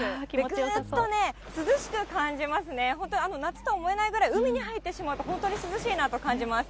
ずっと涼しく感じますね、本当、夏とは思えないぐらい、海に入ってしまうと、本当に涼しいなと感じます。